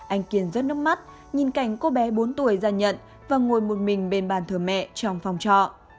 anh kiên rớt nước mắt nhìn cảnh cô bé bốn tuổi ra nhận và ngồi một mình bên bàn thờ mẹ trong phòng trọ